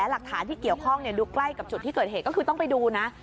หลักฐานที่เกี่ยวข้องดูใกล้กับจุดที่เกิดเหตุก็คือต้องไปดูนะ